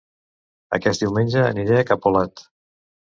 Aquest diumenge aniré a Capolat